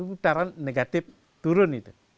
utara negatif turun